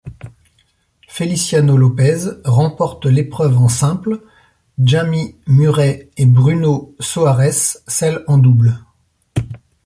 Feliciano López remporte l'épreuve en simple, Jamie Murray et Bruno Soares celle en double.